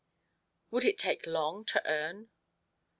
" Would it take long to earn